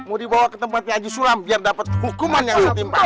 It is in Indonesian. mau dibawa ke tempatnya aji sulam biar dapat hukuman yang setimpal